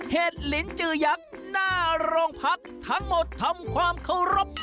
เห็ดลินจือยักษ์หน้าโรงพักทั้งหมดทำความเคารพ